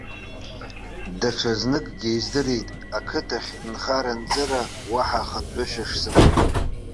Даҽазныкгьы издырит, ақыҭахь нхара-нҵыра уаҳа хынҳәышьа шсымам.